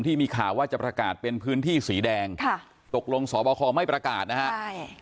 ที่มีข่าวว่าจะประกาศเป็นพื้นที่สีแดงค่ะตกลงสอบคอไม่ประกาศนะฮะใช่